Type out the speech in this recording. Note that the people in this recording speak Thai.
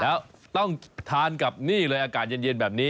แล้วต้องทานกับนี่เลยอากาศเย็นแบบนี้